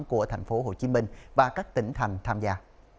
của tp hcm và các tỉnh thành tham gia